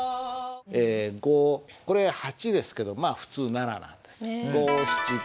え５これ８ですけどまあ普通７なんです。